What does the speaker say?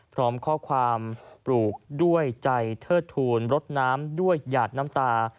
พร้อมข้อความปลูกด้วยใจเทิดทูลรดน้ำด้วยหยาดน้ำตา